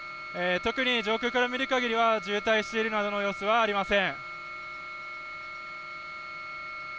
特に上空から見るかぎりは渋滞しているなどの様子はありません。